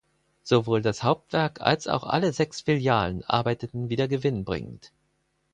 Sowohl das Hauptwerk als auch alle sechs Filialen arbeiteten wieder gewinnbringend.